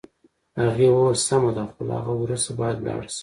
هغې وویل: سمه ده، خو له هغه وروسته باید ولاړه شم.